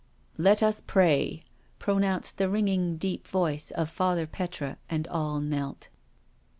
" Let us pray," pronounced the ringing deep voice of Father Petre, and all knelt.